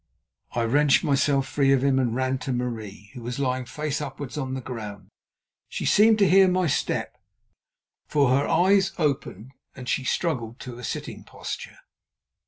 I wrenched myself free of him and ran to Marie, who was lying face upwards on the ground. She seemed to hear my step, for her eyes opened and she struggled to a sitting posture.